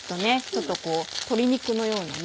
ちょっとこう鶏肉のような。